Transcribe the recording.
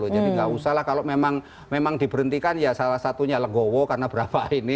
nggak usah lah kalau memang diberhentikan ya salah satunya legowo karena berapa ini